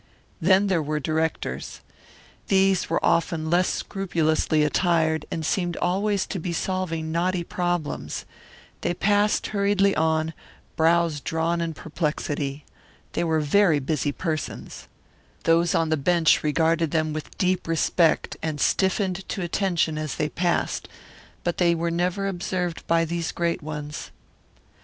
Then there were directors. These were often less scrupulously attired and seemed always to be solving knotty problems. They passed hurriedly on, brows drawn in perplexity. They were very busy persons. Those on the bench regarded them with deep respect and stiffened to attention as they passed, but they were never observed by these great ones.